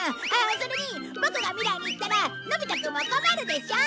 それにボクが未来に行ったらのび太くんも困るでしょ？